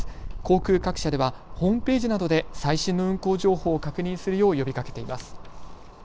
航空各社ではホームページなどで最新の運航情報を確認するよう呼びかけています。